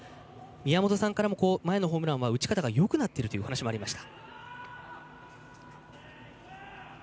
宮本さんからも前のホームラン打ち方がよくなっていると話がありました。